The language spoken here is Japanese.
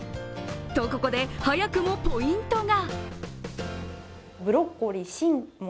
と、ここで早くもポイントが。